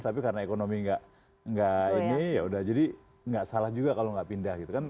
tapi karena ekonomi gak ini yaudah jadi gak salah juga kalau gak pindah gitu kan